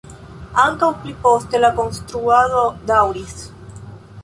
Ankaŭ pli poste la konstruado daŭris.